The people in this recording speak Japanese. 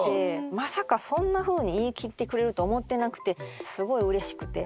まさかそんなふうに言い切ってくれると思ってなくてすごいうれしくて。